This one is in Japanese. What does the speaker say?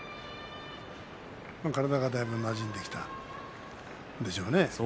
体がだいぶなじんできたんでしょう。